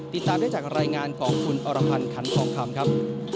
ติดตามได้จากรายงานของคุณอรพันธ์ขันทองคำครับ